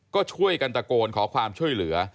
ก็ช่วยกันตะโกนขอความช่วยเหลือ